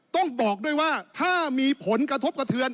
ต้องบอกด้วยว่าถ้ามีผลกระทบกระเทือน